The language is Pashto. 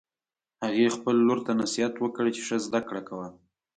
هغې خپل لور ته نصیحت وکړ چې ښه زده کړه کوه